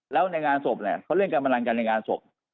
แล้วในงานศพเนี่ยเขาเล่นกำลังกันในงานศพ